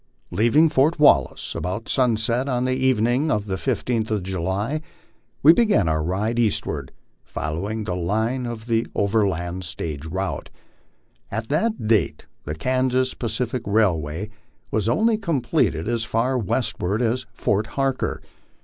Leaving Fort Wallace about sunset on the evening of the 15th of July, we began our ride eastward, following the line of the overland stage route. At that date the Kansas Pacific Railway was only completed as far westward as Fort Harker.